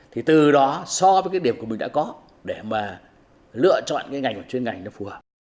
thì từ đó so với cái điểm của mình đã có để mà lựa chọn cái ngành của chuyên ngành nó phù hợp